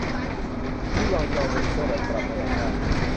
ที่รองจอมอนิเตอร์แบบปรับระดับได้